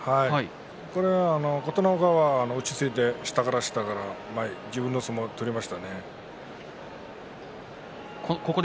琴ノ若がが落ち着いて下から下から自分の相撲を取りましたね。